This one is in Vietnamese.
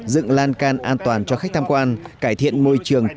dựng lan can an toàn cho khách tham quan cải thiện môi trường